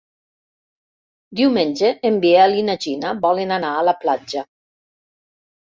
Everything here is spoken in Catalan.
Diumenge en Biel i na Gina volen anar a la platja.